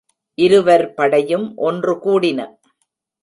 இருவர் படையும் ஒன்று கூடின.